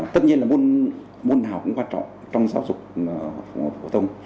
tất nhiên là môn nào cũng quan trọng trong giáo dục phổ thông